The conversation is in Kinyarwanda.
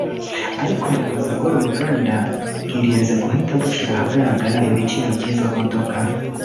Ariko ubuyobozi bw’uru ruganda bwirinze guhita bushyira ahagaraga ibiciro by’izo modoka